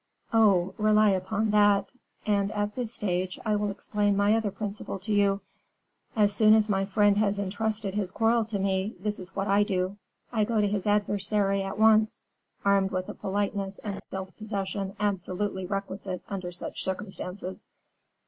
"Oh! rely upon that; and at this stage, I will explain my other principle to you. As soon as my friend has intrusted his quarrel to me, this is what I do; I go to his adversary at once, armed with a politeness and self possession absolutely requisite under such circumstances."